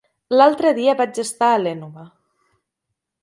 L'altre dia vaig estar a l'Énova.